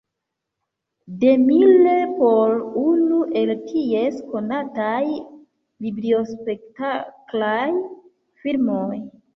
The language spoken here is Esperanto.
DeMille por unu el ties konataj biblispektaklaj filmoj.